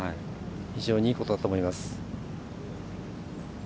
非常にいいことだと思います。